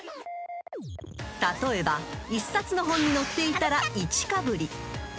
［例えば１冊の本に載っていたら］